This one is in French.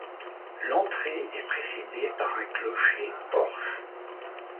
L'entrée est précédée par un clocher porche.